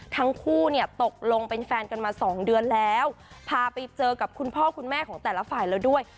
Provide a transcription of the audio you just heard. ทั้งคู่เนี่ยตกลงเป็นแฟนกันมาสองเดือนแล้วพาไปเจอกับคุณพ่อคุณแม่ของแต่ละฝ่ายแล้วด้วย